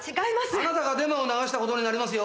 あなたがデマを流した事になりますよ！